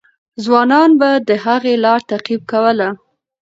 ځوانان به د هغې لار تعقیب کوله.